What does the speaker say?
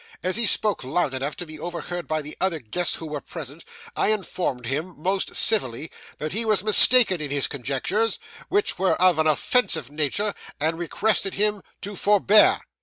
As he spoke loud enough to be overheard by the other guests who were present, I informed him most civilly that he was mistaken in his conjectures, which were of an offensive nature, and requested him to forbear.